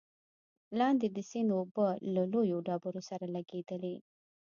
لاندې د سيند اوبه له لويو ډبرو سره لګېدلې،